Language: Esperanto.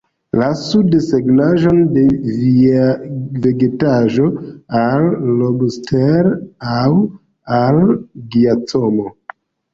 Lasu desegnaĵon de via vegetaĵo al Lobster aŭ al Giacomo.